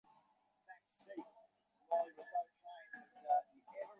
তাঁকে মাদক ব্যবসায় বাধা দেওয়ার কারণেই উম্বার মণ্ডলকে মারধর করা হয়েছে।